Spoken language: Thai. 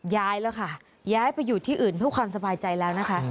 ย้ายแล้วค่ะย้ายไปอยู่ที่อื่นเพื่อความสบายใจแล้วนะคะ